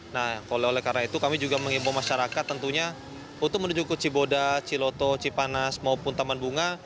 nah oleh karena itu kami juga mengimbau masyarakat tentunya untuk menuju ke ciboda ciloto cipanas maupun taman bunga